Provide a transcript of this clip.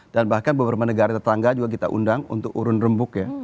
dan bahkan beberapa negara tetangga juga kita undang untuk urun rembuk